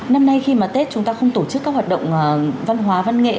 năm nay khi mà tết chúng ta không tổ chức các hoạt động văn hóa văn nghệ